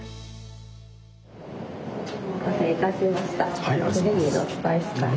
お待たせいたしました。